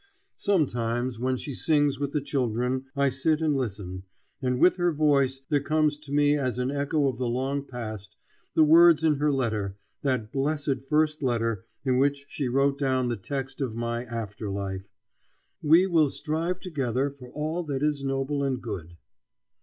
Sometimes when she sings with the children I sit and listen, and with her voice there comes to me as an echo of the long past the words in her letter, that blessed first letter in which she wrote down the text of all my after life: "We will strive together for all that is noble and good."